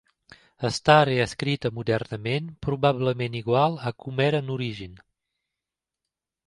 Està reescrita modernament, probablement igual a com era en origen.